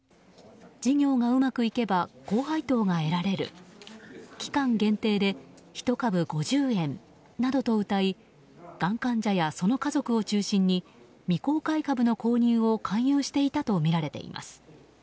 事業がうまくいけば高配当が得られる期間限定で１株５０円などとうたいがん患者やその家族を中心に未公開株の購入を勧誘していたとみられています。